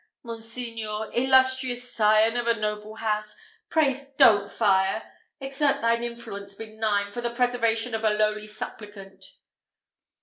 Monseigneur! Illustrious scion of a noble house! pray don't fire exert thine influence benign, for the preservation of a lowly supplicant."